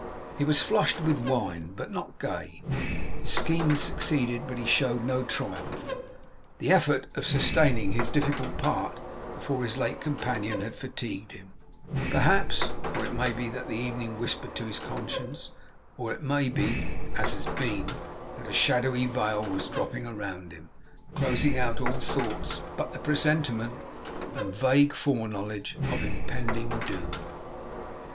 He was flushed with wine, but not gay. His scheme had succeeded, but he showed no triumph. The effort of sustaining his difficult part before his late companion had fatigued him, perhaps, or it may be that the evening whispered to his conscience, or it may be (as it HAS been) that a shadowy veil was dropping round him, closing out all thoughts but the presentiment and vague foreknowledge of impending doom.